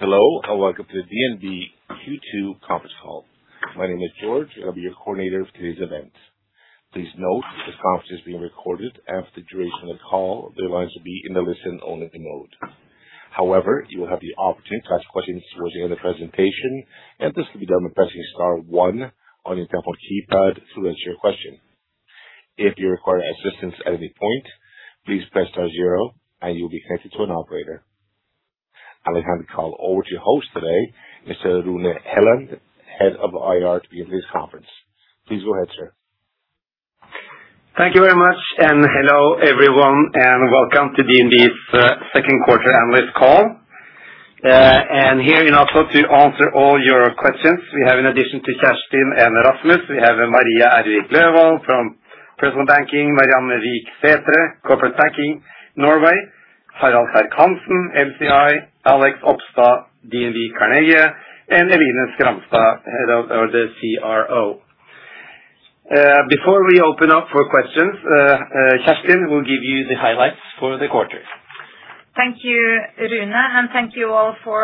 Hello, welcome to the DNB Q2 conference call. My name is George, I'll be your coordinator for today's event. Please note that the conference is being recorded. For the duration of the call, the lines will be in a listen-only mode. You will have the opportunity to ask questions towards the end of presentation. This can be done by pressing star one on your telephone keypad to register your question. If you require assistance at any point, please press star zero, and you'll be connected to an operator. I'll hand the call over to your host today, Mr. Rune Helland, Head of IR, to begin this conference. Please go ahead, sir. Thank you very much. Hello, everyone, welcome to DNB's second quarter analyst call. Here in Oslo to answer all your questions. We have in addition to Kjerstin and Rasmus, Maria Ervik Løvold from Personal Banking, Marianne Wik Sætre, Corporate Banking Norway, Harald Serck-Hanssen, LCI, Alex Opstad, DNB Carnegie, and Eline Skramstad, Head of the CRO. Before we open up for questions, Kjerstin will give you the highlights for the quarter. Thank you, Rune. Thank you all for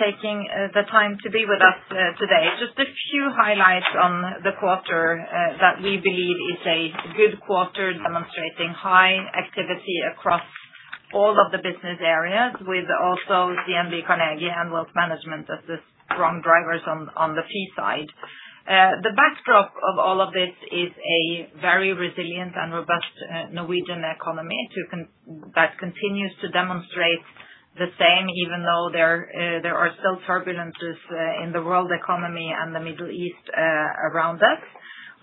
taking the time to be with us today. Just a few highlights on the quarter that we believe is a good quarter demonstrating high activity across all of the business areas, with also DNB Carnegie and Wealth Management as the strong drivers on the fee side. The backdrop of all of this is a very resilient and robust Norwegian economy that continues to demonstrate the same, even though there are still turbulences in the world economy and the Middle East around us.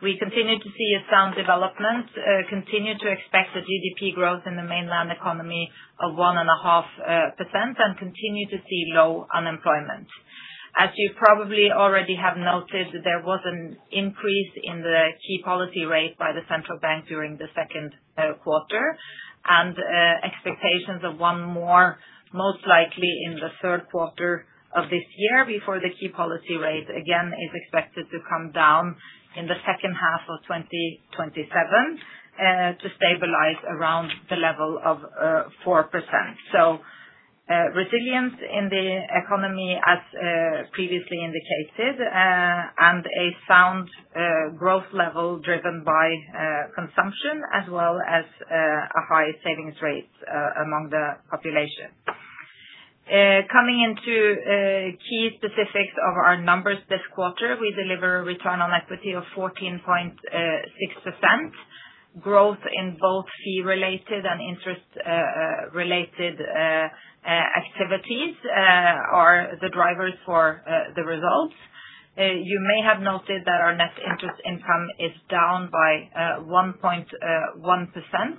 We continue to see a sound development, continue to expect the GDP growth in the mainland economy of 1.5%, and continue to see low unemployment. As you probably already have noted, there was an increase in the key policy rate by the Central Bank during the second quarter. Expectations of one more, most likely in the third quarter of this year, before the key policy rate again is expected to come down in the second half of 2027 to stabilize around the level of 4%. Resilience in the economy as previously indicated, and a sound growth level driven by consumption as well as a high savings rate among the population. Coming into key specifics of our numbers this quarter, we deliver a return on equity of 14.6%. Growth in both fee-related and interest-related activities are the drivers for the results. You may have noted that our net interest income is down by 1.1%.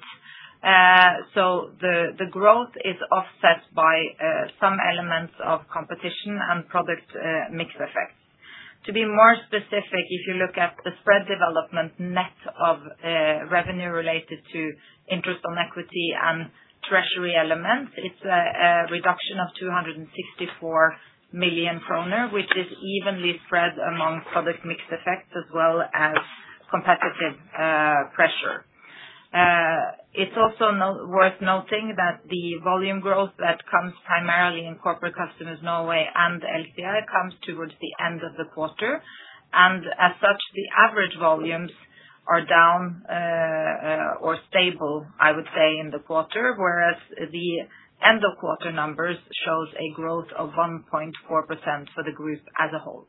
The growth is offset by some elements of competition and product mix effects. To be more specific, if you look at the spread development net of revenue related to interest on equity and treasury elements, it's a reduction of 264 million kroner, which is evenly spread among product mix effects as well as competitive pressure. It's also worth noting that the volume growth that comes primarily in corporate customers Norway and LCI comes towards the end of the quarter. As such, the average volumes are down or stable, I would say, in the quarter, whereas the end of quarter numbers shows a growth of 1.4% for the group as a whole.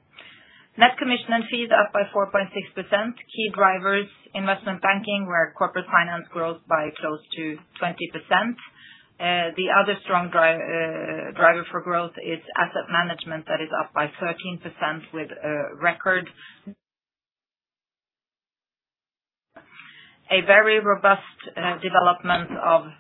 Net commission and fees up by 4.6%. Key drivers, investment banking, where corporate finance grows by close to 20%. The other strong driver for growth is asset management that is up by 13% with a very robust development of-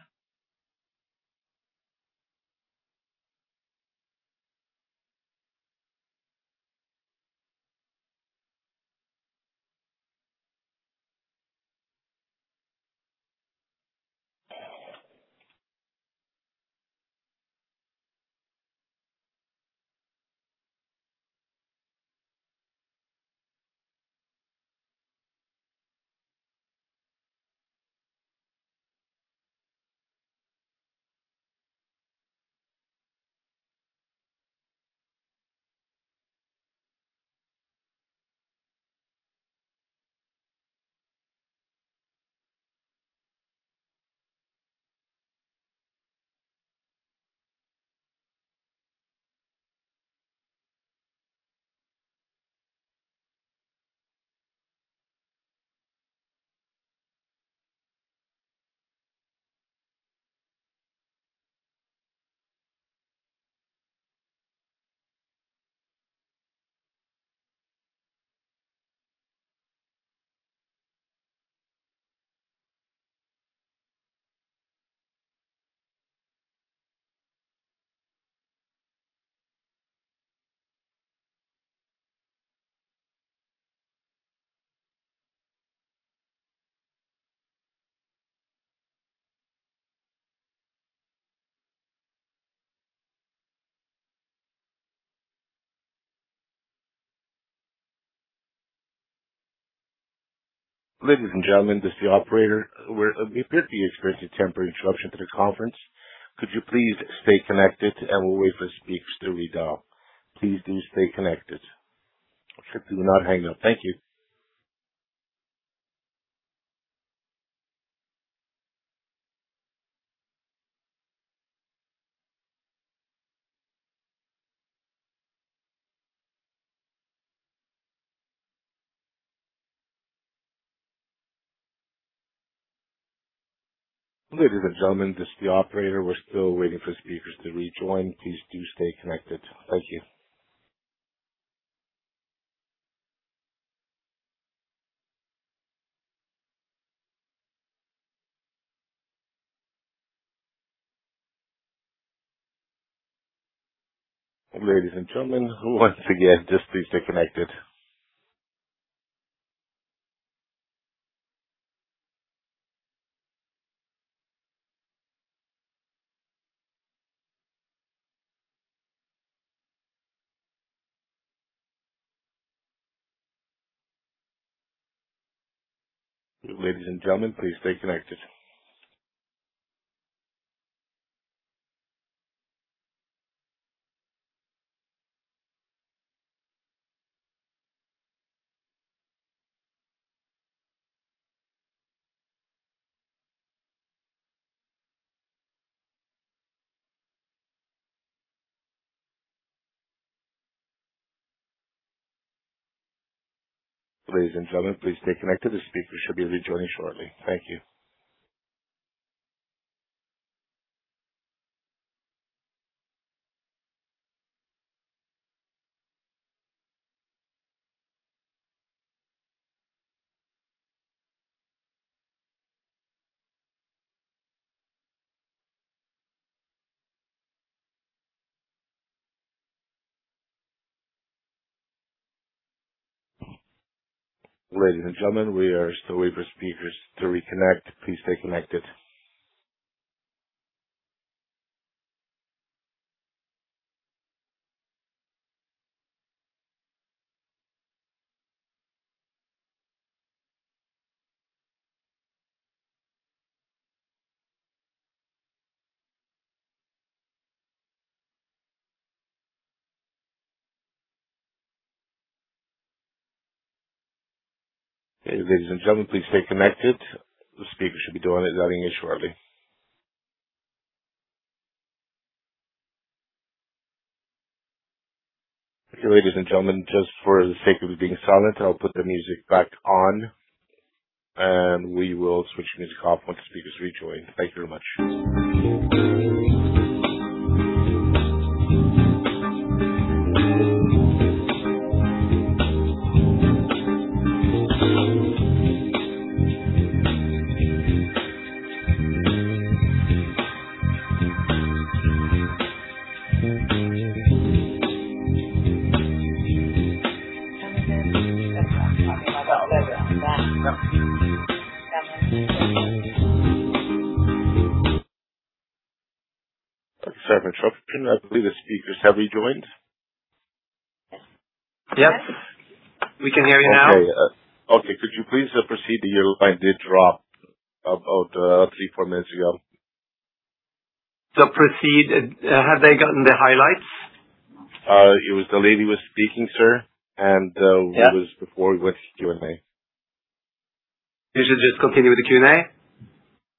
Ladies and gentlemen, this is the operator. We appear to be experiencing a temporary interruption to the conference. Could you please stay connected and we'll wait for the speakers to redial. Please do stay connected. Do not hang up. Thank you. Ladies and gentlemen, this is the operator. We're still waiting for speakers to rejoin. Please do stay connected. Thank you. Ladies and gentlemen, once again, just please stay connected. Ladies and gentlemen, please stay connected. Ladies and gentlemen, please stay connected. The speakers should be rejoining shortly. Thank you. Ladies and gentlemen, we are still waiting for speakers to reconnect. Please stay connected. Ladies and gentlemen, please stay connected. The speakers should be joining us shortly. Ladies and gentlemen, just for the sake of being silent, I'll put the music back on, and we will switch music off once the speakers rejoin. Thank you very much. Sorry for the interruption. I believe the speakers have rejoined. Yes. We can hear you now. Okay. Could you please proceed? You did drop about three to four minutes ago. Have they gotten the highlights? It was the lady who was speaking, sir. Yeah. It was before we went to Q&A. We should just continue with the Q&A?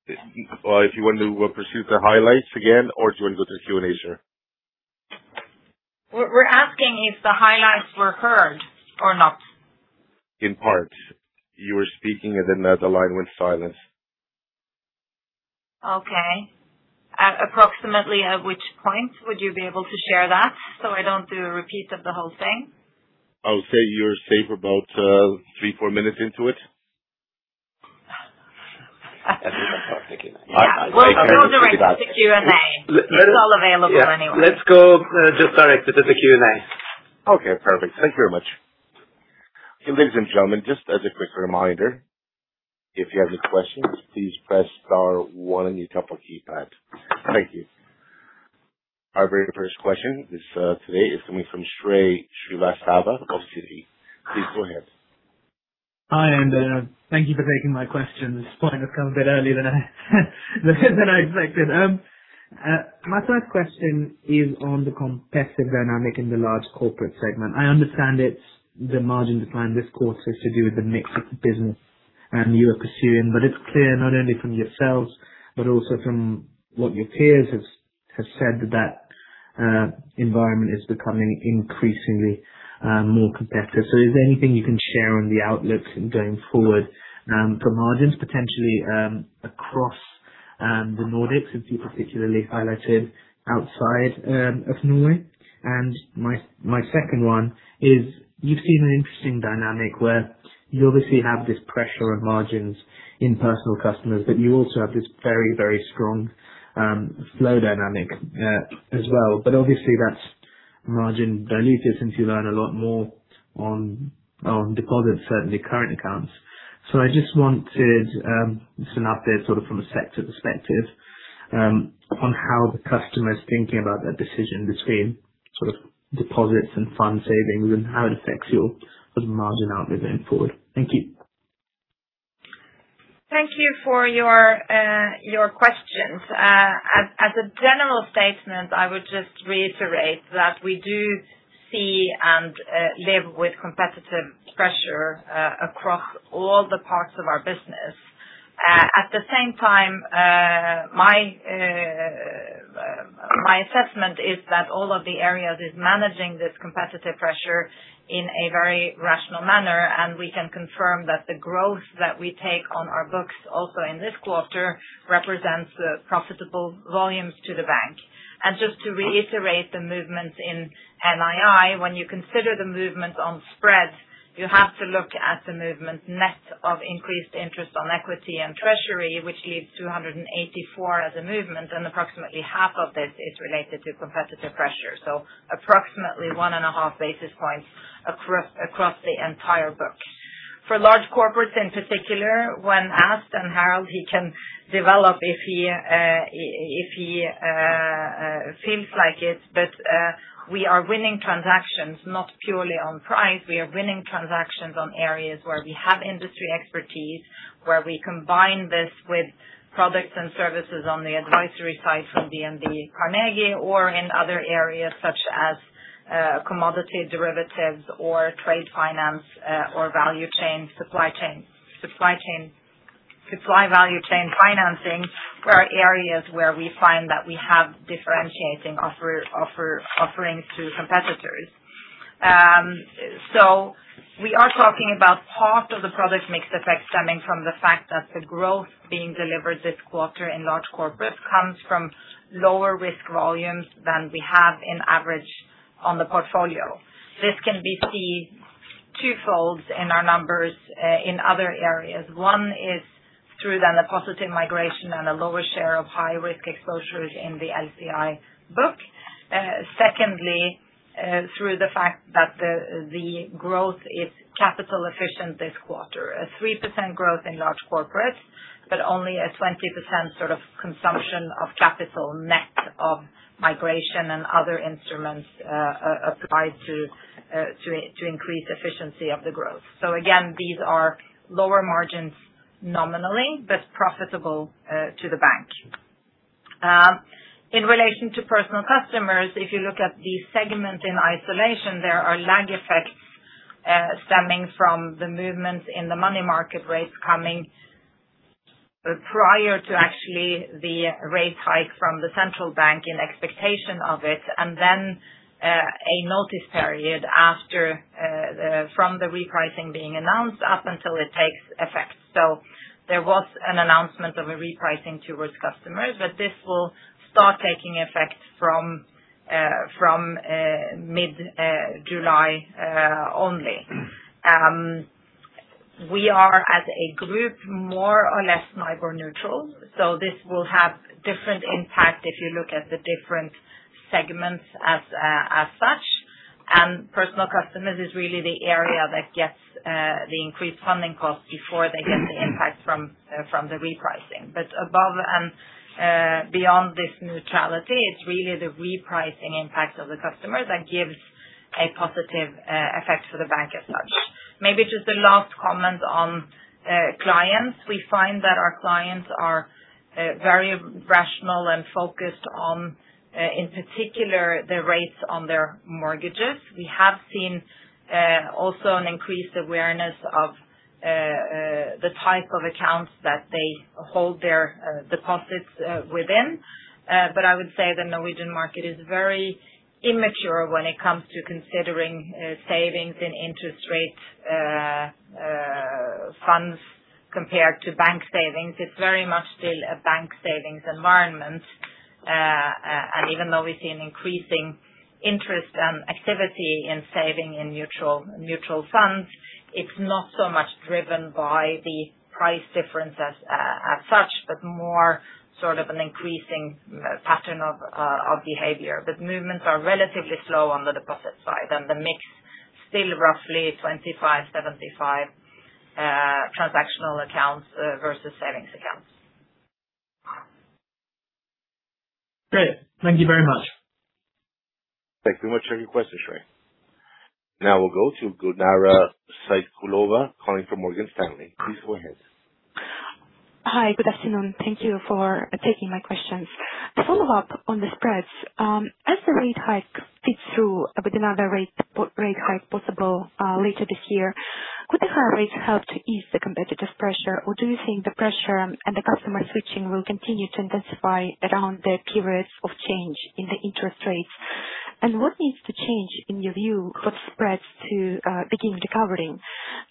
If you want to pursue the highlights again? Or do you want to go to the Q&A, sir? We are asking if the highlights were heard or not. In parts. You were speaking and then the line went silent. Okay. Approximately at which point? Would you be able to share that, so I don't do a repeat of the whole thing? I would say you were safe about three, four minutes into it. Everything's fine. Thank you. Yeah. We'll go directly to the Q&A. It's all available anyway. Let's go just directly to the Q&A. Okay, perfect. Thank you very much. Ladies and gentlemen, just as a quick reminder, if you have any questions, please press star one on your telephone keypad. Thank you. Our very first question today is coming from Shrey Srivastava of Citi. Please go ahead. Hi, thank you for taking my questions. This point has come a bit earlier than I expected. My first question is on the competitive dynamic in the Large Corporates segment. I understand the margin decline this quarter is to do with the mix of business you are pursuing, it's clear not only from yourselves but also from what your peers have said, that environment is becoming increasingly more competitive. Is there anything you can share on the outlooks going forward for margins potentially across the Nordics, since you particularly highlighted outside of Norway? My second one is, you've seen an interesting dynamic where you obviously have this pressure on margins in personal customers, you also have this very strong flow dynamic as well. Obviously, that's margin dilutive since you earn a lot more on deposits, certainly current accounts. I just wanted just an update sort of from a sector perspective, on how the customer is thinking about their decision between Sort of deposits and fund savings and how it affects your margin outlook going forward. Thank you. Thank you for your questions. As a general statement, I would just reiterate that we do see and live with competitive pressure across all the parts of our business. At the same time, my assessment is that all of the areas is managing this competitive pressure in a very rational manner, and we can confirm that the growth that we take on our books also in this quarter represents profitable volumes to the bank. Just to reiterate the movements in NII, when you consider the movement on spreads, you have to look at the movement net of increased interest on equity and treasury, which leaves 284 basis points as a movement, and approximately half of this is related to competitive pressure. Approximately 1.5 basis points across the entire book. For Large Corporates in particular, when asked, Harald, he can develop if he feels like it, but we are winning transactions not purely on price. We are winning transactions on areas where we have industry expertise, where we combine this with products and services on the advisory side from DNB Carnegie. Or in other areas such as commodity derivatives or trade finance or value chain supply chain, supply value chain financing are areas where we find that we have differentiating offerings to competitors. We are talking about part of the product mix effect stemming from the fact that the growth being delivered this quarter in Large Corporates comes from lower risk volumes than we have in average on the portfolio. This can be seen two-fold in our numbers in other areas. One is through the deposit migration and a lower share of high-risk exposures in the LCI book. Secondly, through the fact that the growth is capital efficient this quarter. A 3% growth in large corporates, but only a 20% sort of consumption of capital net of migration and other instruments applied to increase efficiency of the growth. Again, these are lower margins nominally, but profitable to the bank. In relation to personal customers, if you look at the segment in isolation. There are lag effects stemming from the movements in the money market rates coming prior to actually the rate hike from the central bank in expectation of it, and then a notice period from the repricing being announced up until it takes effect. There was an announcement of a repricing towards customers, but this will start taking effect from mid-July only. We are, as a group, more or less NIBOR neutral, this will have different impact if you look at the different segments as such. Personal customers is really the area that gets the increased funding cost before they get the impact from the repricing. Above and beyond this neutrality, it's really the repricing impact of the customer that gives a positive effect for the bank as such. Maybe just a last comment on clients. We find that our clients are very rational and focused on, in particular, the rates on their mortgages. We have seen also an increased awareness of the type of accounts that they hold their deposits within. I would say the Norwegian market is very immature when it comes to considering savings and interest rate funds compared to bank savings. It's very much still a bank savings environment. Even though we see an increasing interest and activity in saving in mutual funds, it's not so much driven by the price difference as such, but more sort of an increasing pattern of behavior. Movements are relatively slow on the deposit side, and the mix still roughly 25, 75 transactional accounts versus savings accounts. Great. Thank you very much. Thank you very much for your question, Shrey. We'll go to Gulnara Saitkulova calling from Morgan Stanley. Please go ahead. Hi. Good afternoon. Thank you for taking my questions. To follow up on the spreads, as the rate hike feeds through with another rate hike possible later this year. Could the higher rates help to ease the competitive pressure? Or do you think the pressure and the customer switching will continue to intensify around the periods of change in the interest rates? What needs to change in your view for spreads to begin recovering?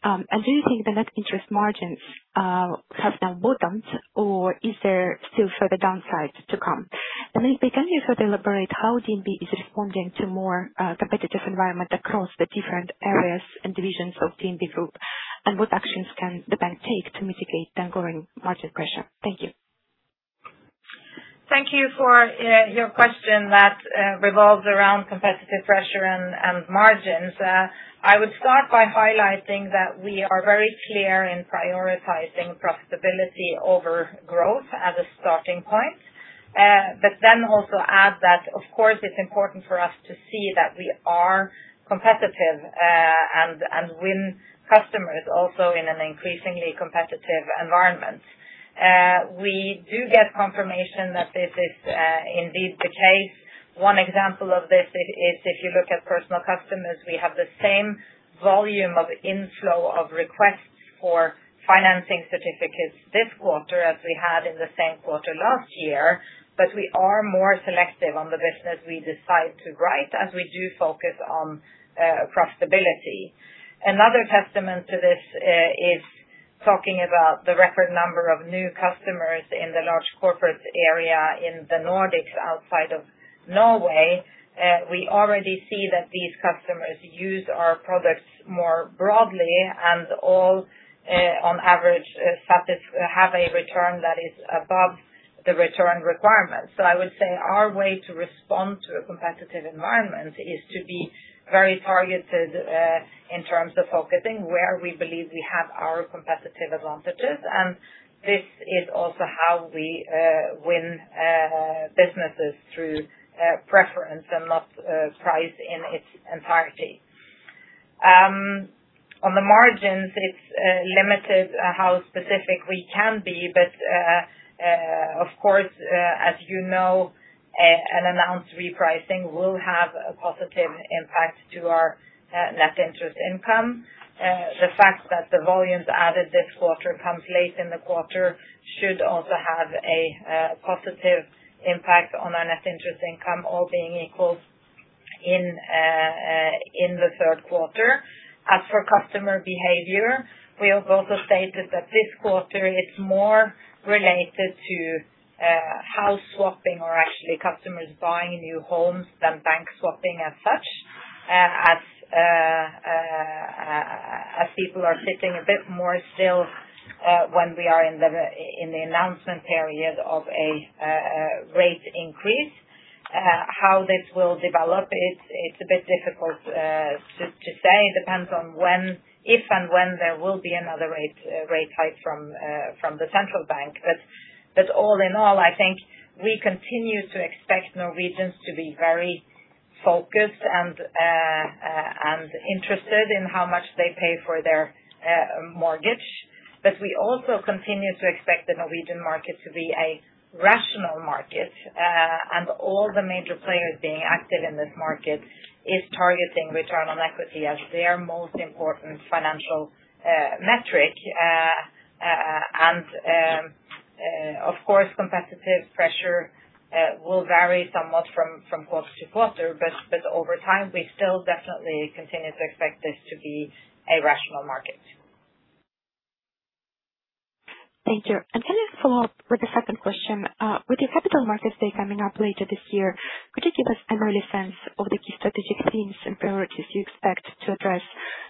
Do you think the net interest margins have now bottomed, or is there still further downside to come? Can you further elaborate how DNB is responding to more competitive environment across the different areas and divisions of DNB Group? And what actions can the bank take to mitigate the ongoing margin pressure? Thank you. Thank you for your question that revolves around competitive pressure and margins. I would start by highlighting that we are very clear in prioritizing profitability over growth as a starting point. Also add that, of course, it's important for us to see that we are competitive and win customers also in an increasingly competitive environment. We do get confirmation that this is indeed the case. One example of this is if you look at personal customers, we have the same volume of inflow of requests for financing certificates this quarter as we had in the same quarter last year. We are more selective on the business we decide to write, as we do focus on profitability. Another testament to this is talking about the record number of new customers in the Large Corporates area in the Nordics outside of Norway. We already see that these customers use our products more broadly and all on average have a return that is above the return requirements. I would say our way to respond to a competitive environment is to be very targeted, in terms of focusing where we believe we have our competitive advantages. This is also how we win businesses through preference and not price in its entirety. On the margins, it is limited how specific we can be. Of course, as you know, an announced repricing will have a positive impact to our net interest income. The fact that the volumes added this quarter comes late in the quarter should also have a positive impact on our net interest income, all being equal in the third quarter. As for customer behavior, we have also stated that this quarter is more related to house swapping or actually customers buying new homes than bank swapping as such. As people are sitting a bit more still when we are in the announcement period of a rate increase. How this will develop, it is a bit difficult to say. It depends on if and when there will be another rate hike from the Central Bank. All in all, I think we continue to expect Norwegians to be very focused and interested in how much they pay for their mortgage. We also continue to expect the Norwegian market to be a rational market. All the major players being active in this market is targeting return on equity as their most important financial metric. Of course, competitive pressure will vary somewhat from quarter-to-quarter. Over time, we still definitely continue to expect this to be a rational market. Thank you. Can I follow up with the second question? With your Capital Markets Day coming up later this year, could you give us an early sense of the key strategic themes and priorities you expect to address?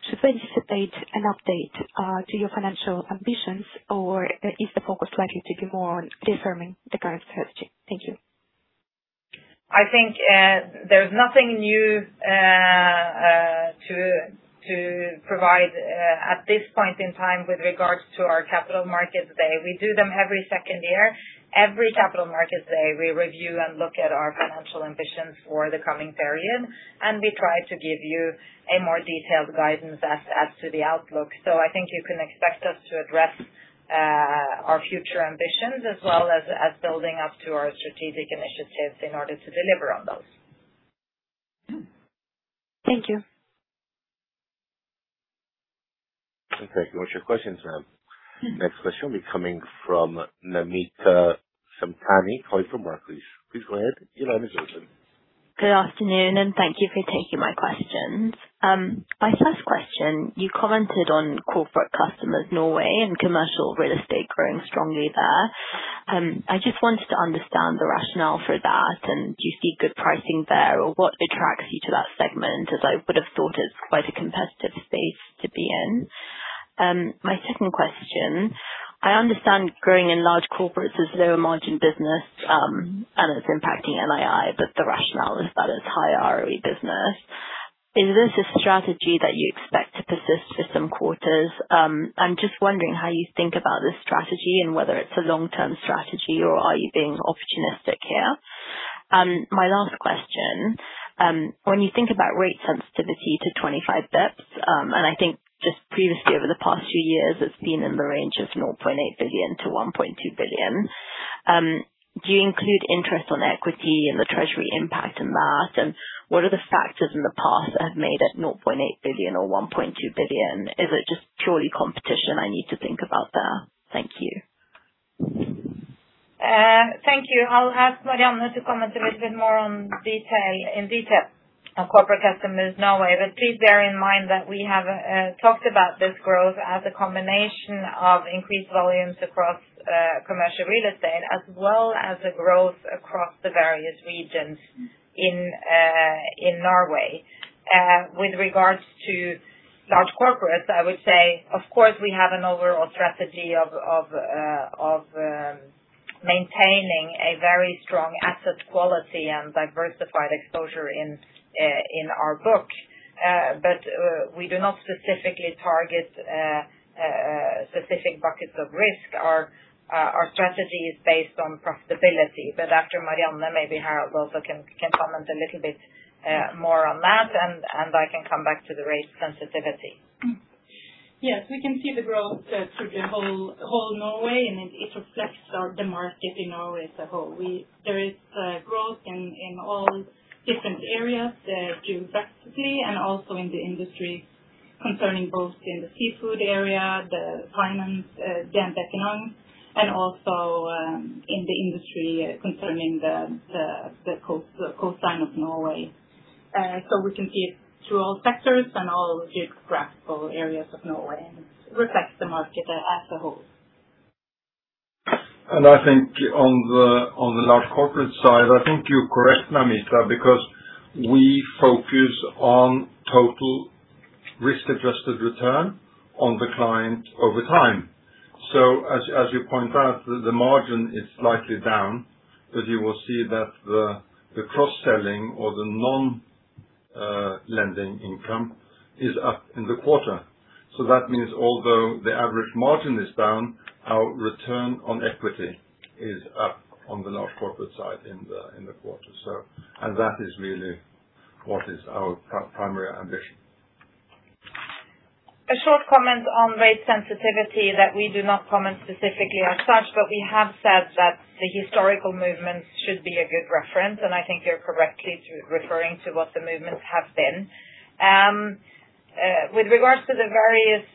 Should we anticipate an update to your financial ambitions, or is the focus likely to be more on confirming the current strategy? Thank you. I think there's nothing new to provide at this point in time with regards to our Capital Markets Day. We do them every second year. Every Capital Markets Day, we review and look at our financial ambitions for the coming period, and we try to give you a more detailed guidance as to the outlook. I think you can expect us to address our future ambitions as well as building up to our strategic initiatives in order to deliver on those. Thank you. Okay. Those your questions, ma'am. Next question will be coming from Namita Samtani calling from Barclays. Please go ahead. Your line is open. Good afternoon, thank you for taking my questions. My first question, you commented on corporate customers, Norway and commercial real estate growing strongly there. I just wanted to understand the rationale for that. Do you see good pricing there, or what attracts you to that segment, as I would have thought it's quite a competitive space to be in? My second question, I understand growing in Large Corporates is low margin business, and it's impacting NII, but the rationale is that it's high ROE business. Is this a strategy that you expect to persist for some quarters? I'm just wondering how you think about this strategy and whether it's a long term strategy or are you being opportunistic here? My last question, when you think about rate sensitivity to 25 basis points, I think just previously over the past few years, it's been in the range of 0.8 billion-1.2 billion. Do you include interest on equity and the treasury impact in that? What are the factors in the past that have made it 0.8 billion or 1.2 billion? Is it just purely competition I need to think about there? Thank you. Thank you. I'll ask Marianne to comment a little bit more in detail on corporate customers Norway. Please bear in mind that we have talked about this growth as a combination of increased volumes across commercial real estate as well as the growth across the various regions in Norway. With regards to Large Corporates, I would say, of course, we have an overall strategy of maintaining a very strong asset quality and diversified exposure in our book. We do not specifically target specific buckets of risk. Our strategy is based on profitability. After Marianne, maybe Harald also can comment a little bit more on that, and I can come back to the rate sensitivity. Yes, we can see the growth through the whole Norway, and it reflects the market in Norway as a whole. There is growth in all different areas there geographically and also in the industry concerning both in the seafood area, the finance, DNB, and also in the industry concerning the coastline of Norway. We can see it through all sectors and all geographical areas of Norway, and it reflects the market as a whole. I think on the Large Corporates side, I think you're correct, Namita, because we focus on total risk-adjusted return on the client over time. As you point out, the margin is slightly down, but you will see that the cross-selling or the non-lending income is up in the quarter. That is really what is our primary ambition. A short comment on rate sensitivity that we do not comment specifically as such, but we have said that the historical movements should be a good reference, and I think you're correctly referring to what the movements have been. With regards to the various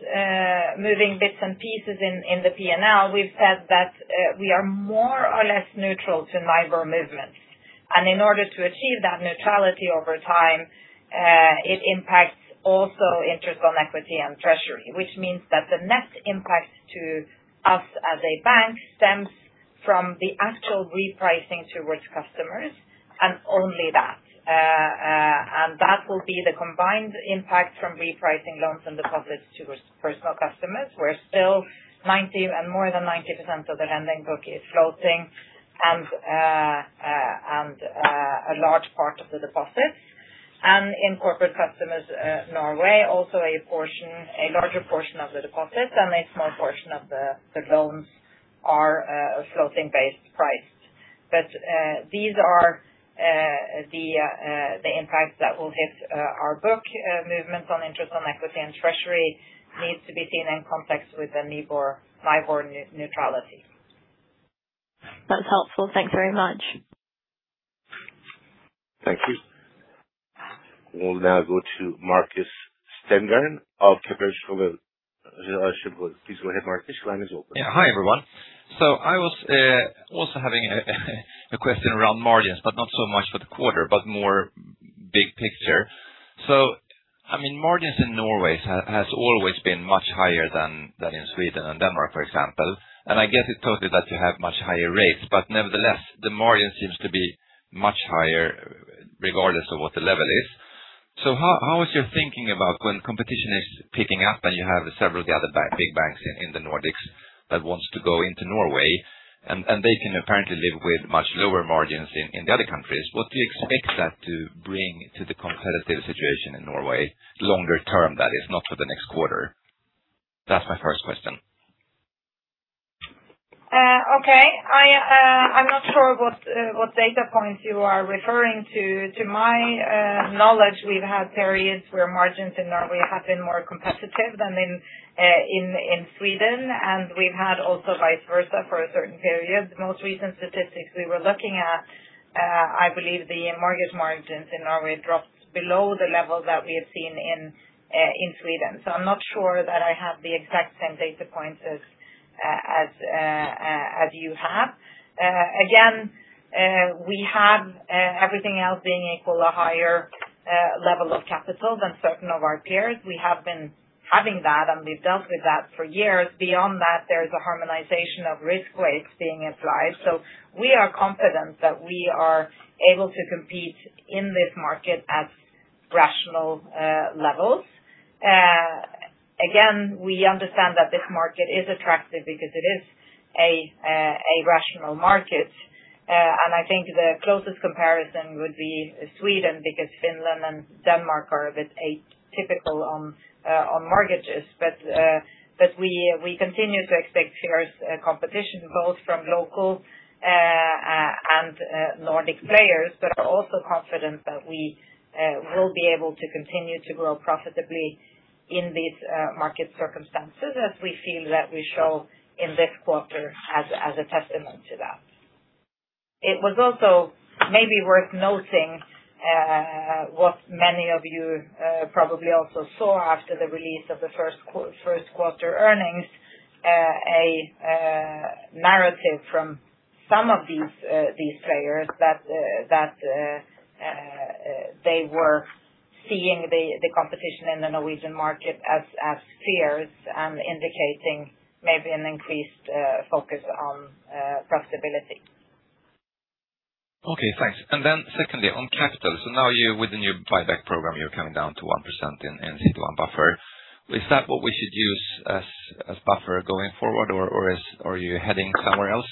moving bits and pieces in the P&L, we've said that we are more or less neutral to NIBOR movements. In order to achieve that neutrality over time, it impacts also interest on equity and treasury. Which means that the net impact to us as a bank stems from the actual repricing to rich customers and only that. That will be the combined impact from repricing loans from the public to personal customers, where still more than 90% of the lending book is floating and a large part of the deposits. In corporate customers Norway, also a larger portion of the deposits and a small portion of the loans are floating base priced. These are the impact that will hit our book movements on interest on equity and treasury needs to be seen in context with the NIBOR neutrality. That's helpful. Thanks very much. Thank you. We'll now go to Markus Sandgren of Kepler Cheuvreux. Please go ahead, Markus. Line is open. Yeah. Hi, everyone. I was also having a question around margins, but not so much for the quarter, but more big picture. Margins in Norway has always been much higher than in Sweden and Denmark, for example. I guess it's totally that you have much higher rates, but nevertheless, the margin seems to be much higher regardless of what the level is. How is your thinking about when competition is picking up and you have several of the other big banks in the Nordics that wants to go into Norway, and they can apparently live with much lower margins in the other countries. What do you expect that to bring to the competitive situation in Norway longer term, that is not for the next quarter? That's my first question. I'm not sure what data points you are referring to. To my knowledge, we've had periods where margins in Norway have been more competitive than in Sweden, and we've had also vice versa for a certain period. The most recent statistics we were looking at, I believe the mortgage margins in Norway dropped below the level that we have seen in Sweden. I'm not sure that I have the exact same data points as you have. Again, we have everything else being equal, a higher level of capital than certain of our peers. We have been having that, and we've dealt with that for years. Beyond that, there's a harmonization of risk weights being applied. We are confident that we are able to compete in this market at rational levels. Again, we understand that this market is attractive because it is a rational market. I think the closest comparison would be Sweden, because Finland and Denmark are a bit atypical on mortgages. We continue to expect fierce competition, both from local and Nordic players, but are also confident that we will be able to continue to grow profitably in these market circumstances as we feel that we show in this quarter as a testament to that. It was also maybe worth noting, what many of you probably also saw after the release of the first quarter earnings, a narrative from some of these players that they were seeing the competition in the Norwegian market as fierce and indicating maybe an increased focus on profitability. Thanks. Secondly, on capital. Now with the new buyback program, you're coming down to 1% in CET1 buffer. Is that what we should use as buffer going forward, or are you heading somewhere else?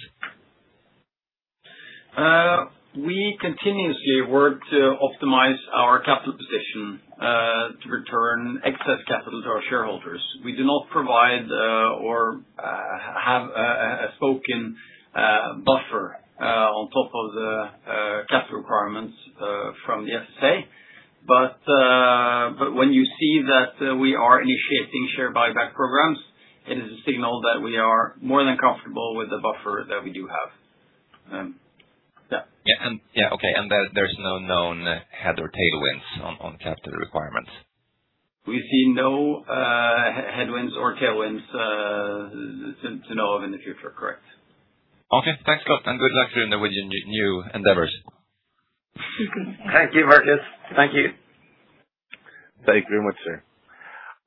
We continuously work to optimize our capital position to return excess capital to our shareholders. We do not provide or have a spoken buffer on top of the capital requirements from the FSA. When you see that we are initiating share buyback programs, it is a signal that we are more than comfortable with the buffer that we do have. Yeah. Yeah. Okay. There's no known head or tailwinds on capital requirements? We see no headwinds or tailwinds to know of in the future. Correct. Okay. Thanks a lot, and good luck in your new endeavors. Thank you, Markus. Thank you. Thank you very much, sir.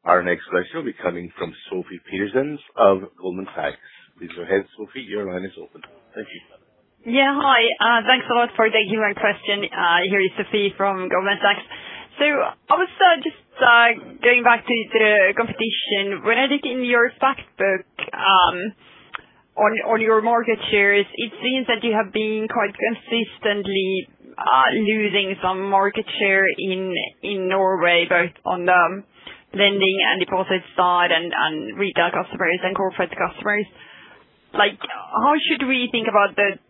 Our next question will be coming from Sofie Peterzens of Goldman Sachs. Please go ahead, Sofie. Your line is open. Thank you. Yeah. Hi. Thanks a lot for taking my question. Here is Sofie from Goldman Sachs. I was just going back to the competition. When I look in your fact book on your market shares, it seems that you have been quite consistently losing some market share in Norway, both on the lending and deposit side, and retail customers and corporate customers. How should we think about the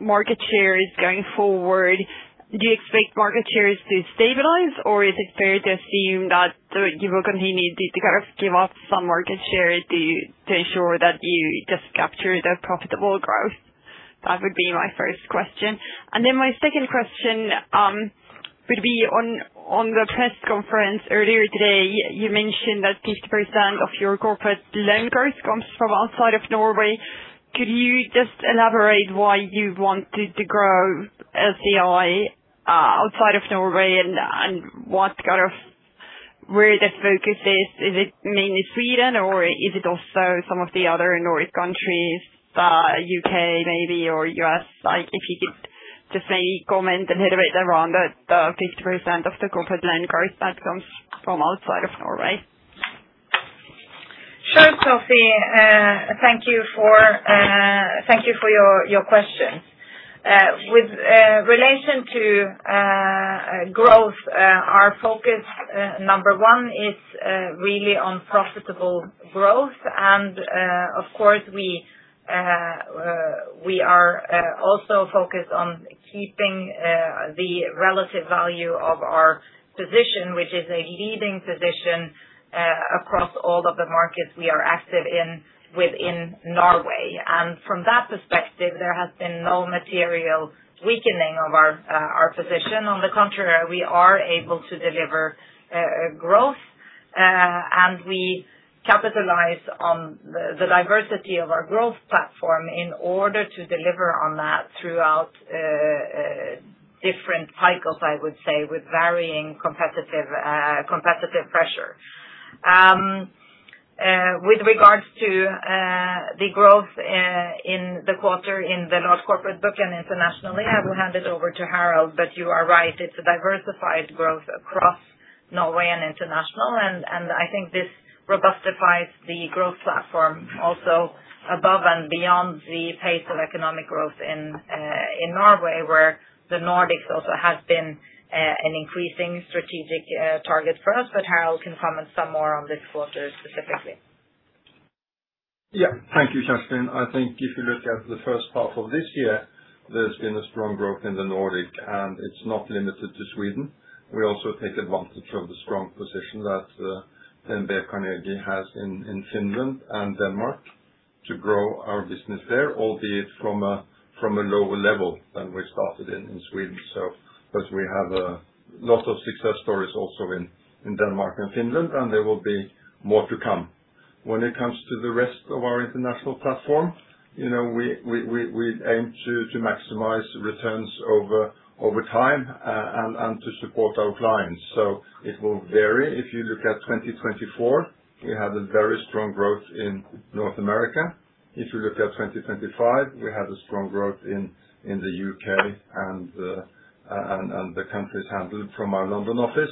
market shares going forward? Do you expect market shares to stabilize, or is it fair to assume that you will continue to give up some market share to ensure that you just capture the profitable growth? That would be my first question. My second question would be on the press conference earlier today, you mentioned that 50% of your corporate loan growth comes from outside of Norway. Could you just elaborate why you wanted to grow LCI outside of Norway and where the focus is? Is it mainly Sweden or is it also some of the other Nordic countries, U.K. maybe, or U.S.? If you could just maybe comment a little bit around the 50% of the corporate loan growth that comes from outside of Norway? Sure, Sofie. Thank you for your question. With relation to growth, our focus, number one, is really on profitable growth. Of course, we are also focused on keeping the relative value of our position, which is a leading position across all of the markets we are active in within Norway. From that perspective, there has been no material weakening of our position. On the contrary, we are able to deliver growth, and we capitalize on the diversity of our growth platform in order to deliver on that throughout different cycles, I would say, with varying competitive pressure. With regards to the growth in the quarter in the Corporate book and internationally, I will hand it over to Harald. You are right, it's a diversified growth across Norway and international. I think this robustifies the growth platform also above and beyond the pace of economic growth in Norway, where the Nordics also have been an increasing strategic target for us. Harald can comment some more on this quarter specifically. Thank you, Kjerstin. If you look at the first half of this year, there's been a strong growth in the Nordic, it's not limited to Sweden. We also take advantage of the strong position that DNB Carnegie has in Finland and Denmark to grow our business there, albeit from a lower level than we started in Sweden. Because we have lots of success stories also in Denmark and Finland, there will be more to come. When it comes to the rest of our international platform, we aim to maximize returns over time, to support our clients. It will vary. If you look at 2024, we had a very strong growth in North America. If you look at 2025, we had a strong growth in the U.K., and the countries handled from our London office.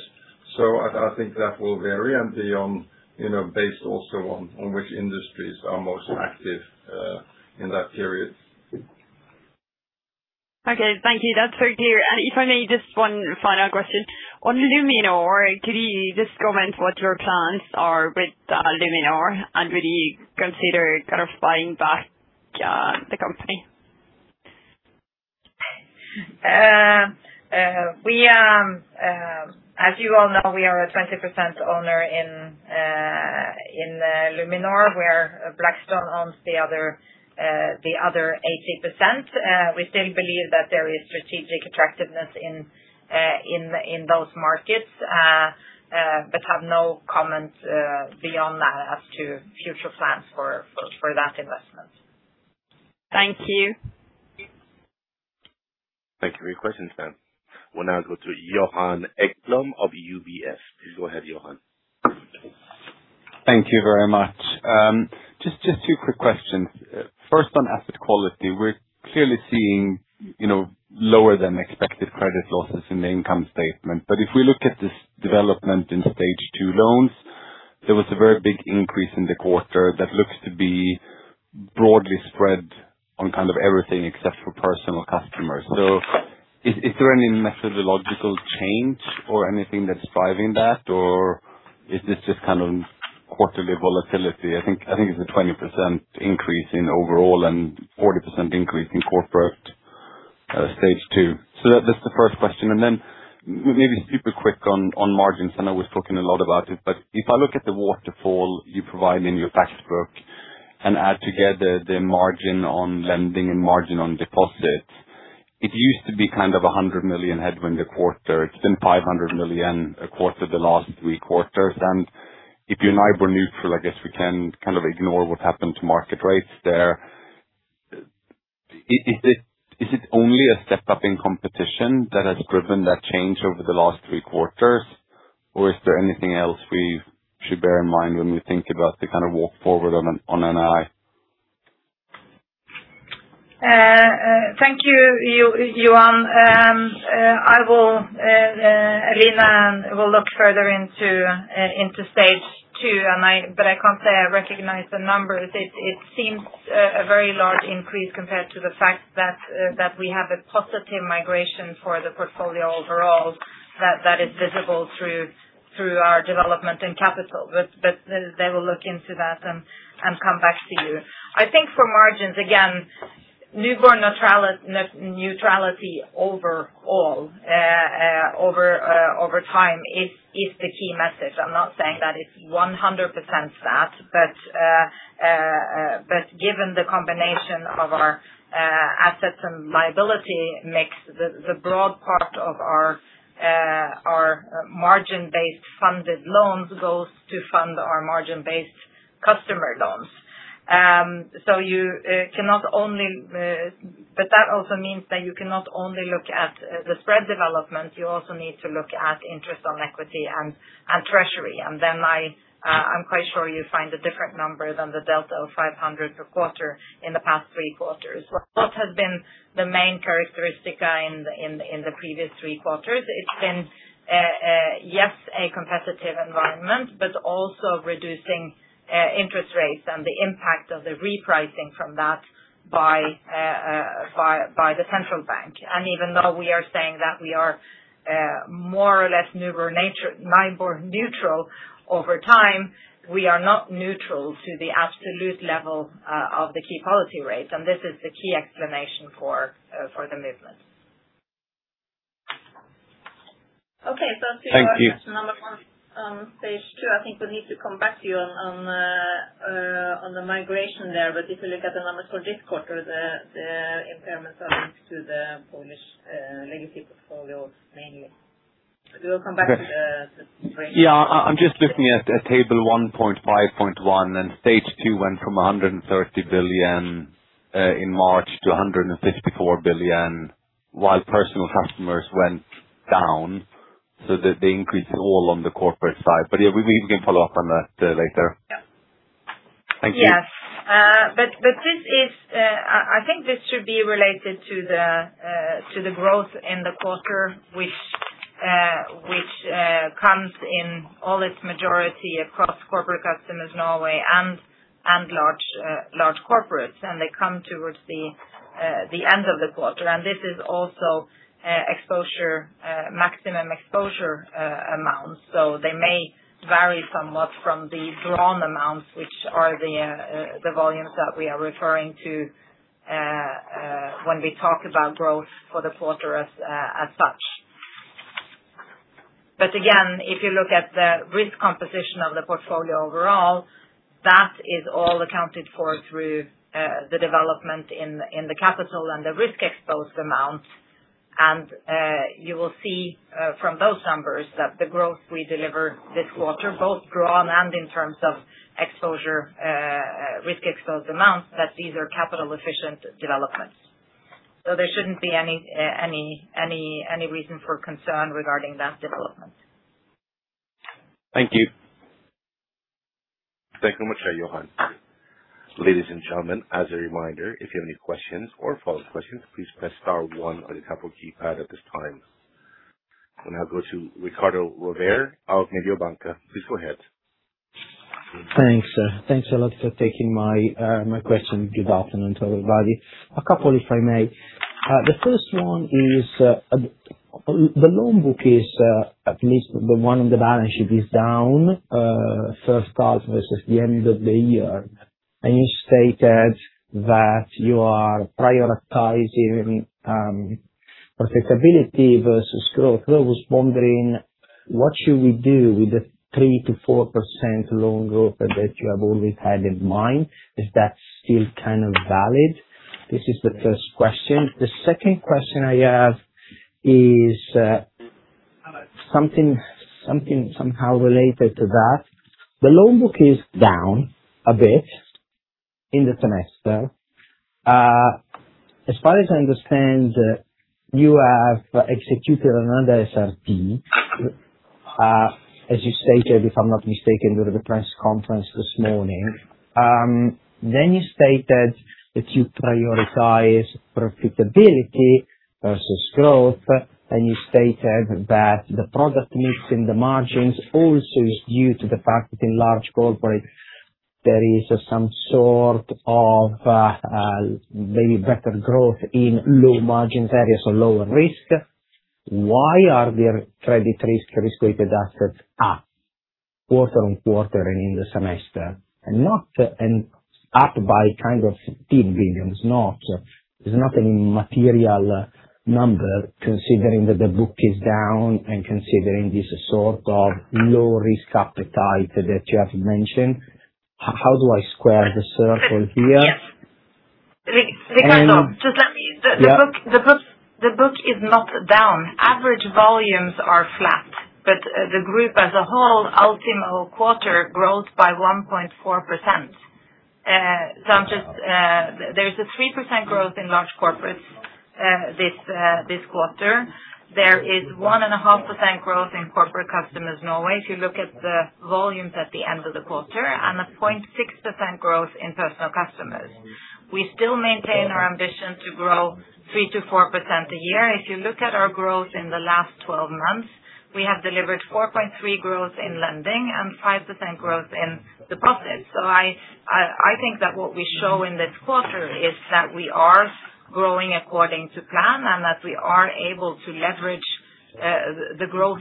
I think that will vary and be based also on which industries are most active in that period. Okay. Thank you. That's very clear. If I may, just one final question. On Luminor, could you just comment what your plans are with Luminor? And would you consider kind of buying back the company? As you all know, we are a 20% owner in Luminor, where Blackstone owns the other 80%. We still believe that there is strategic attractiveness in those markets, but have no comment beyond that as to future plans for that investment. Thank you. Thank you for your questions, ma'am. We'll now go to Johan Ekblom of UBS. Please go ahead, Johan. Thank you very much. Just two quick questions. First, on asset quality, we're clearly seeing lower than expected credit losses in the income statement. If we look at this development in Stage-2 loans There was a very big increase in the quarter that looks to be broadly spread on everything except for personal customers. Is there any methodological change or anything that's driving that, or is this just quarterly volatility? I think it's a 20% increase in overall and 40% increase in corporate Stage-2. That's the first question, maybe super quick on margins. I know we've spoken a lot about it, if I look at the waterfall you provide in your fact book and add together the margin on lending and margin on deposits, it used to be 100 million headwind a quarter. It's been 500 million a quarter the last three quarters, if you're NIBOR neutral, I guess we can ignore what happened to market rates there. Is it only a step-up in competition that has driven that change over the last three quarters? Or is there anything else we should bear in mind when we think about the walk-forward on NII? Thank you, Johan. Eline will look further into Stage-2, I can't say I recognize the numbers. It seems a very large increase compared to the fact that we have a positive migration for the portfolio overall, that is visible through our development in capital. They will look into that and come back to you. I think for margins, again, NIBOR neutrality overall over time is the key message. I'm not saying that it's 100% that, given the combination of our assets and liability mix, the broad part of our margin-based funded loans goes to fund our margin-based customer loans. That also means that you cannot only look at the spread development, you also need to look at interest on equity and treasury. I'm quite sure you find a different number than the delta of 500 million per quarter in the past three quarters. What has been the main characteristic in the previous three quarters? It's been, yes, a competitive environment, reducing interest rates and the impact of the repricing from that by the central bank. Even though we are saying that we are more or less NIBOR neutral over time, we are not neutral to the absolute level of the key policy rates, and this is the key explanation for the movement. Thank you. Okay, questions on Stage-2, I think we need to come back to you on the migration there. If you look at the numbers for this quarter, the impairments are linked to the Polish legacy portfolio, mainly. We will come back. Yeah, I'm just looking at Table 1.5.1. Stage-2 went from 130 billion in March to 154 billion while personal customers went down, that they increased all on the corporate side. Yeah, we can follow up on that later. Thank you. Yes. I think this should be related to the growth in the quarter, which comes in all its majority across corporate customers, Norway, and Large Corporates, and they come towards the end of the quarter. This is also maximum exposure amounts. They may vary somewhat from the drawn amounts, which are the volumes that we are referring to when we talk about growth for the quarter as such. Again, if you look at the risk composition of the portfolio overall, that is all accounted for through the development in the capital and the risk exposed amounts. You will see from those numbers that the growth we delivered this quarter, both drawn and in terms of exposure, risk exposed amounts, that these are capital efficient developments. There shouldn't be any reason for concern regarding that development. Thank you. Thank you very much, Johan. Ladies and gentlemen, as a reminder, if you have any questions or follow-up questions, please press star one on your telephone keypad at this time. We'll now go to Riccardo Rovere of Mediobanca. Please go ahead. Thanks. Thanks a lot for taking my question. Good afternoon to everybody. A couple, if I may. The first one is, the loan book is at least the one in the balance sheet is down first half versus the end of the year. You stated that you are prioritizing profitability versus growth. I was wondering what should we do with the 3%-4% loan growth that you have always had in mind. Is that still kind of valid? This is the first question. The second question I have is something somehow related to that. The loan book is down a bit in the semester. As far as I understand, you have executed another SRT, as you stated, if I'm not mistaken, during the press conference this morning. You stated that you prioritize profitability versus growth, you stated that the product mix in the margins also is due to the fact that in Large Corporates there is some sort of maybe better growth in low margin areas or lower risk. Why are there credit risk-weighted assets up quarter-on-quarter and in the semester, up by NOK 15 billion. There's not any material number considering that the book is down and considering this sort of low risk appetite that you have mentioned. How do I square the circle here? Riccardo, the book is not down. Average volumes are flat, the group as a whole, ultimo quarter, grows by 1.4%. There's a 3% growth in Large Corporates this quarter. There is 1.5% growth in corporate customers in Norway, if you look at the volumes at the end of the quarter, a 0.6% growth in personal customers. We still maintain our ambition to grow 3%-4% a year. If you look at our growth in the last 12 months, we have delivered 4.3% growth in lending and 5% growth in deposits. I think that what we show in this quarter is that we are growing according to plan, that we are able to leverage the growth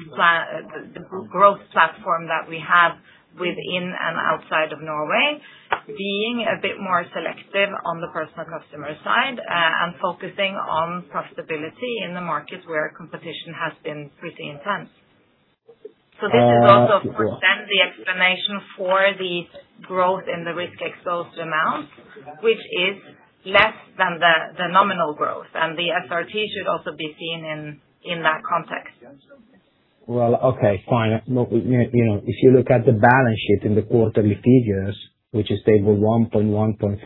platform that we have within and outside of Norway, being a bit more selective on the personal customer side, focusing on profitability in the markets where competition has been pretty intense. This is also presents the explanation for the growth in the risk exposed amounts, which is less than the nominal growth. The SRT should also be seen in that context. Well, okay, fine. If you look at the balance sheet in the quarterly figures, which is Table 1.1.5,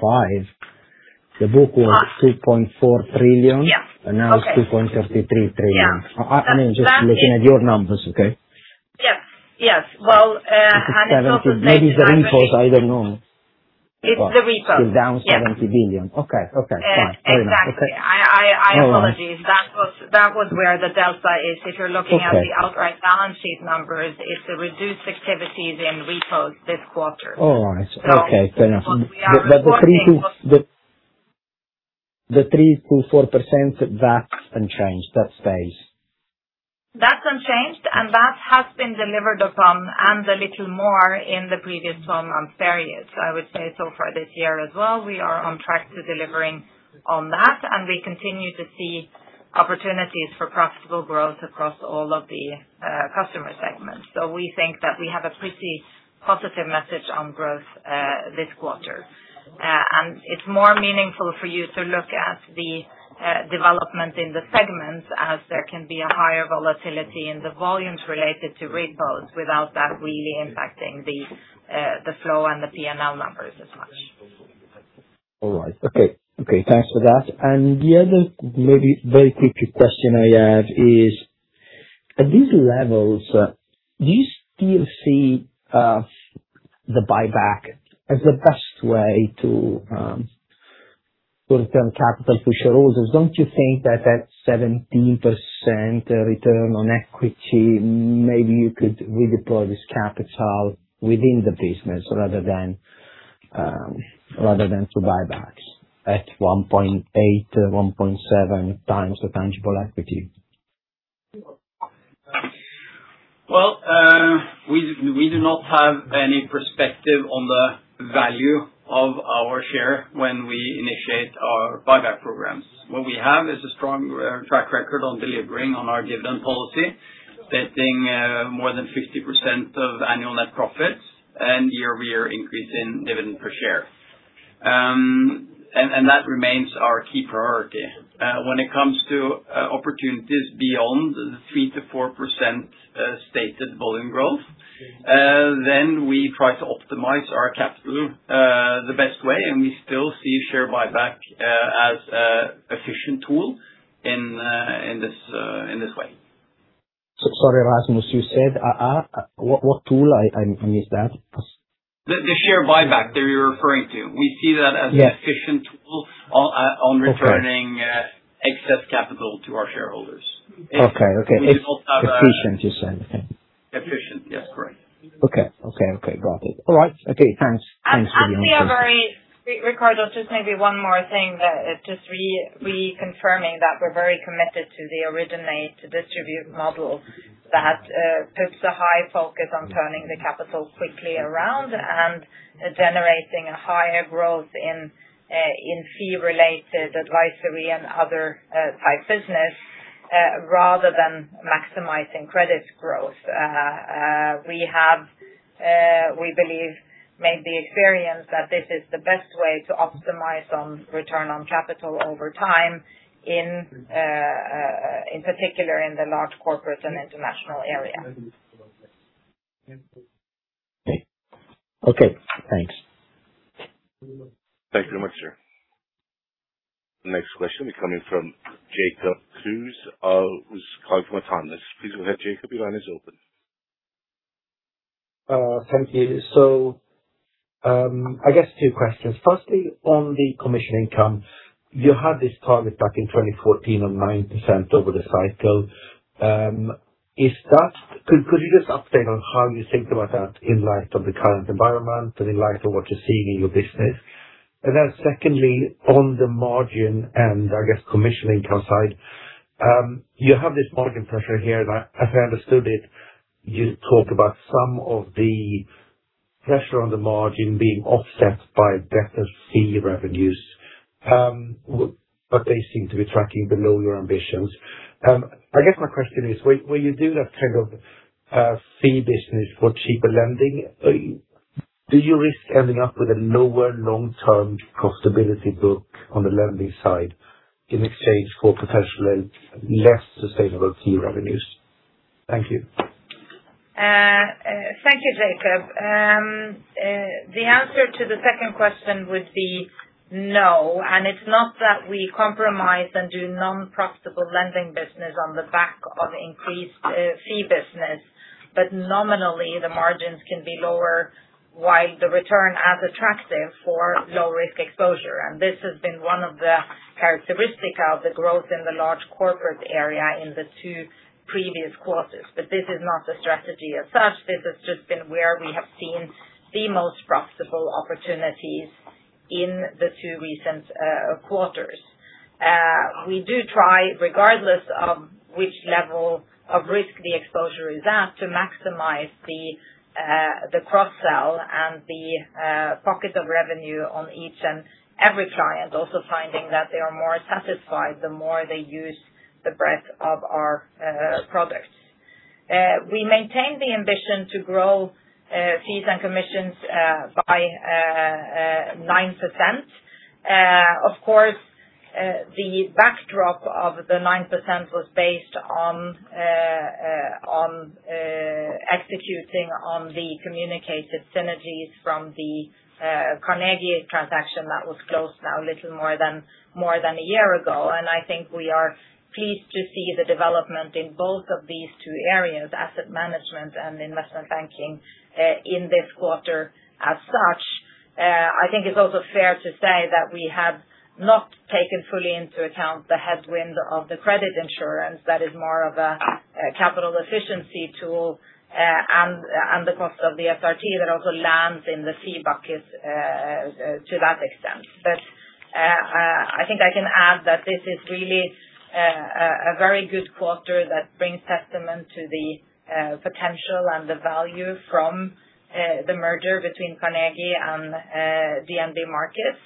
the book was 3.4 trillion. Now it's 3.33 trillion. Yeah. I'm just looking at your numbers, okay? Yes. Well. Maybe it's the repos, I don't know. It's the repos. It's down 17 billion. Okay, fine. Fair enough. Okay. Exactly. I apologize. All right. That was where the delta is. If you're looking at the outright balance sheet numbers, it's the reduced activities in repos this quarter. All right. Okay. Fair enough. The 3%-4%, that's unchanged, that stays. That's unchanged, and that has been delivered upon and a little more in the previous 12 months period. I would say so far this year as well, we are on track to delivering on that, and we continue to see opportunities for profitable growth across all of the customer segments. We think that we have a pretty positive message on growth this quarter. It's more meaningful for you to look at the development in the segments as there can be a higher volatility in the volumes related to repos without that really impacting the flow and the P&L numbers as much. All right. Okay. Thanks for that. The other maybe very quick question I have is, at these levels, do you still see the buyback as the best way to return capital to shareholders? Don't you think that at 17% return on equity, maybe you could redeploy this capital within the business rather than through buybacks at 1.8x to 1.7x the tangible equity? Well, we do not have any perspective on the value of our share when we initiate our buyback programs. What we have is a strong track record on delivering on our dividend policy, paying more than 50% of annual net profits and year-over-year increase in dividend per share. That remains our key priority. When it comes to opportunities beyond the 3%-4% stated volume growth, we try to optimize our capital the best way, we still see share buyback as an efficient tool in this way. Sorry, Rasmus, you said what tool? I missed that. The share buyback that we were referring to. We see that as an efficient tool on returning excess capital to our shareholders. Okay. Efficient, you said. Okay. Efficient. Yes, correct. Okay. Got it. All right. Okay, thanks. Riccardo, just maybe one more thing, just reconfirming that we're very committed to the originate to distribute model that puts a high focus on turning the capital quickly around and generating a higher growth in fee-related advisory and other type business, rather than maximizing credit growth. We believe, made the experience that this is the best way to optimize on return on capital over time in particular, in the Large Corporates and International area. Okay. Thanks. Thank you very much. Next question is coming from Jacob Kruse of Autonomous. Please go ahead, Jacob, your line is open. Thank you. I guess two questions. Firstly, on the commission income, you had this target back in 2014 of 9% over the cycle. Could you just update on how you think about that in light of the current environment and in light of what you're seeing in your business? Secondly, on the margin and I guess commission income side, you have this margin pressure here, and as I understood it, you talk about some of the pressure on the margin being offset by a depth of fee revenues, but they seem to be tracking below your ambitions. I guess my question is, where you do that kind of fee business for cheaper lending, do you risk ending up with a lower long-term profitability book on the lending side in exchange for potentially less sustainable fee revenues? Thank you. Thank you, Jacob. The answer to the second question would be no. It's not that we compromise and do non-profitable lending business on the back of increased fee business, but nominally, the margins can be lower, while the return as attractive for low risk exposure. This has been one of the characteristics of the growth in the Large Corporates area in the two previous quarters. This is not a strategy as such. This has just been where we have seen the most profitable opportunities in the two recent quarters. We do try, regardless of which level of risk the exposure is at, to maximize the cross-sell and the pocket of revenue on each and every client, also finding that they are more satisfied the more they use the breadth of our products. We maintain the ambition to grow fees and commissions by 9%. Of course, the backdrop of the 9% was based on executing on the communicated synergies from the Carnegie transaction that was closed now a little more than a year ago. I think we are pleased to see the development in both of these two areas, asset management and investment banking, in this quarter. As such, I think it's also fair to say that we have not taken fully into account the headwind of the credit insurance that is more of a capital efficiency tool and the cost of the SRT that also lands in the fee bucket to that extent. I think I can add that this is really a very good quarter that brings testament to the potential and the value from the merger between Carnegie and DNB Markets.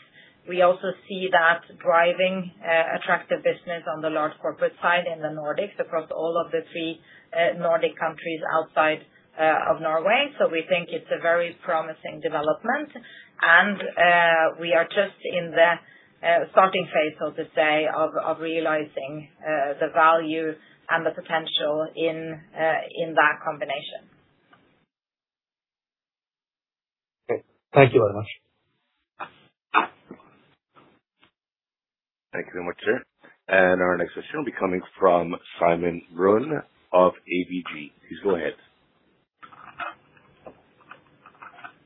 We also see that driving attractive business on the Large Corporates side in the Nordics across all of the three Nordic countries outside of Norway. We think it's a very promising development. We are just in the starting phase, so to say, of realizing the value and the potential in that combination. Okay. Thank you very much. Thank you very much, sir. Our next question will be coming from Simon Rønne of ABG. Please go ahead.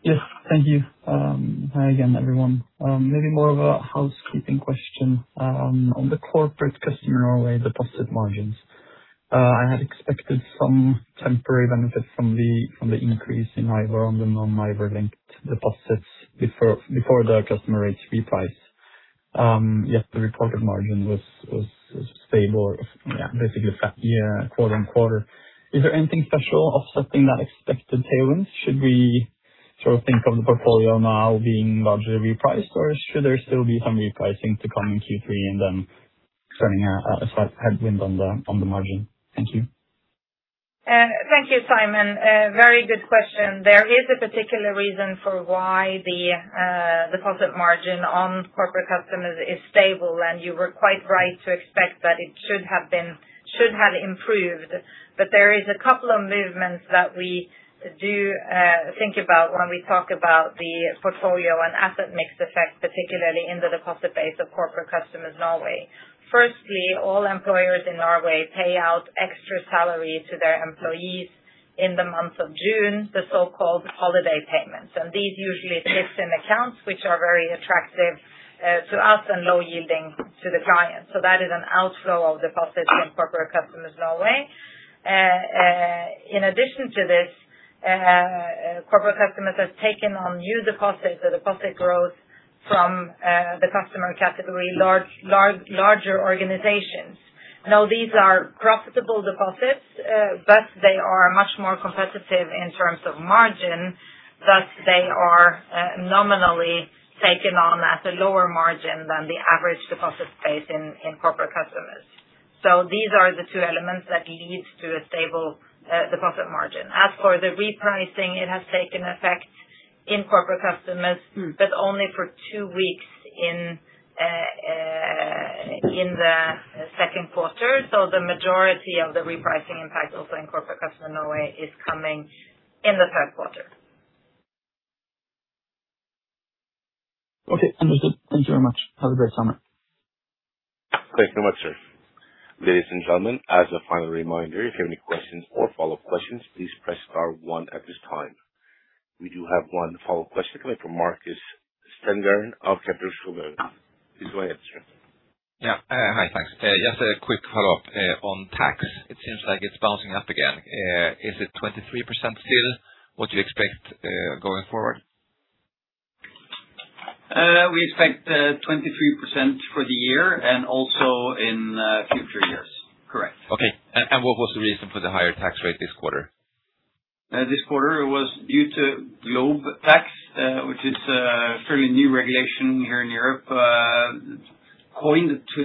Yes, thank you. Hi again, everyone. Maybe more of a housekeeping question. On the corporate customer Norway deposit margins. I had expected some temporary benefit from the increase in NIBOR on the non-NIBOR linked deposits before the customer reprice. Yet the reported margin was stable, basically flat quarter-on-quarter. Is there anything special offsetting that expected tailwind? Should we think of the portfolio now being largely repriced, or should there still be some repricing to come in Q3 and then turning a slight headwind on the margin? Thank you. Thank you, Simon. Very good question. There is a particular reason for why the deposit margin on corporate customers is stable, and you were quite right to expect that it should have improved. There is a couple of movements that we do think about when we talk about the portfolio and asset mix effect, particularly in the deposit base of corporate customers Norway. Firstly, all employers in Norway pay out extra salary to their employees in the month of June, the so-called holiday payments, and these usually sit in accounts which are very attractive to us and low yielding to the client. That is an outflow of deposits in corporate customers Norway. In addition to this, corporate customers have taken on new deposits or deposit growth from the customer category larger organizations. Now, these are profitable deposits, but they are much more competitive in terms of margin. Thus, they are nominally taken on at a lower margin than the average deposit base in corporate customers. These are the two elements that lead to a stable deposit margin. As for the repricing, it has taken effect in corporate customers, but only for two weeks in the second quarter. The majority of the repricing impact also in corporate customer Norway is coming in the third quarter. Okay, understood. Thank you very much. Have a great summer. Thank you so much, sir. Ladies and gentlemen, as a final reminder, if you have any questions or follow-up questions, please press star one at this time. We do have one follow-up question coming from Markus Sandgren of Kepler Cheuvreux. Please go ahead, sir. Yeah. Hi, thanks. Just a quick follow-up. On tax, it seems like it's bouncing up again. Is it 23% still what you expect going forward? We expect 23% for the year and also in future years. Correct. Okay. What was the reason for the higher tax rate this quarter? This quarter was due to GloBE Tax, which is a fairly new regulation here in Europe, coined to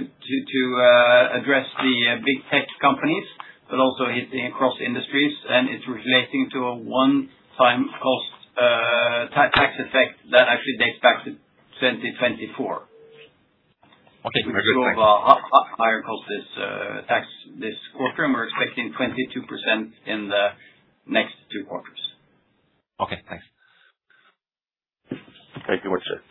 address the big tech companies, but also hitting across industries, and it's relating to a one-time cost tax effect that actually dates back to 2024. Okay. Which drove higher costs this tax, this quarter, and we're expecting 22% in the next two quarters. Okay, thanks. Thank you much, sir.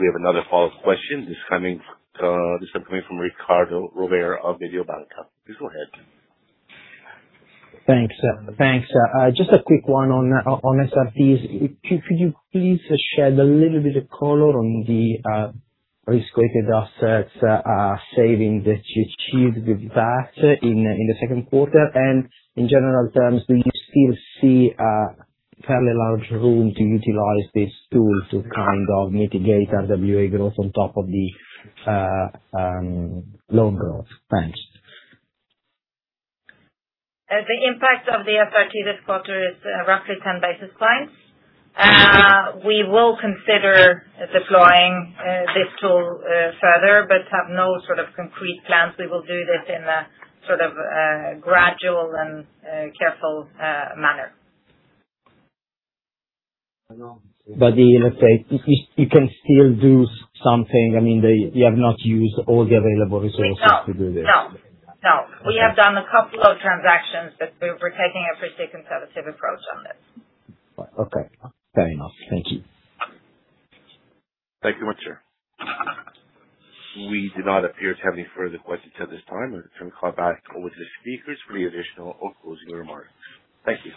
We have another follow-up question. This is coming from Riccardo Rovere of Mediobanca. Please go ahead. Thanks. Just a quick one on SRT. Could you please shed a little bit of color on the risk-weighted assets saving that you achieved with that in the second quarter? In general terms, do you still see fairly large room to utilize this tool to mitigate RWA growth on top of the loan growth? Thanks. The impact of the SRT this quarter is roughly 10 basis points. We will consider deploying this tool further but have no concrete plans. We will do this in a gradual and careful manner. Let's say you can still do something. I mean, you have not used all the available resources to do this? No. We have done a couple of transactions, we're taking a pretty conservative approach on this. Okay. Fair enough. Thank you. Thank you much, sir. We do not appear to have any further questions at this time. I'd like to call back over to the speakers for any additional or closing remarks. Thank you.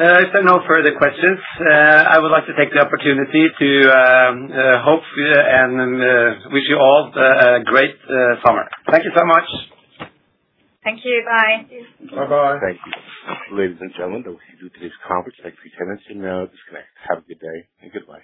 If there are no further questions, I would like to take the opportunity to hope and wish you all a great summer. Thank you so much. Thank you. Bye. Bye-bye. Thank you. Ladies and gentlemen, that was the end of today's conference. Thank you for attending. You may now disconnect. Have a good day and goodbye.